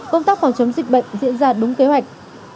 công tác phòng chống dịch bệnh diễn ra đúng kế hoạch